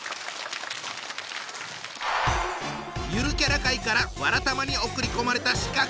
ゆるキャラ界から「わらたま」に送り込まれた刺客！